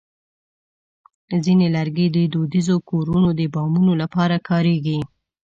ځینې لرګي د دودیزو کورونو د بامونو لپاره کارېږي.